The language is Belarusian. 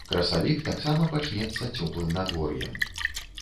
Красавік таксама пачнецца цёплым надвор'ем.